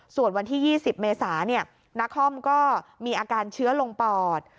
ส่วนวันที่๒๐เมษานาคอมก็มีอาการเชื้อลงปอด